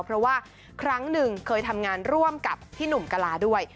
เพราะว่าครั้งหนึ่งเคยทำงานร่วมกับพี่หนุ่มกะลาด้วย